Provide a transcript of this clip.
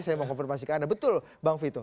saya mau konfirmasikan betul bang vito